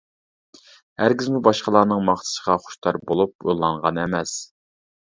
ھەرگىزمۇ باشقىلارنىڭ ماختىشىغا خۇشتار بولۇپ يوللانغان ئەمەس.